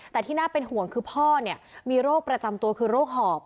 แต่ที่น่าเป็นห่วงคือพ่อมีโรคประจำตัวคือโรคหอบ